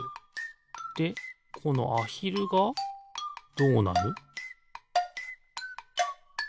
でこのアヒルがどうなる？